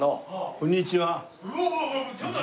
こんにちは。